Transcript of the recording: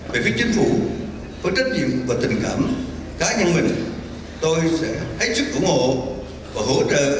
về phía chính phủ với trách nhiệm và tình cảm cá nhân mình tôi sẽ hết sức ủng hộ và hỗ trợ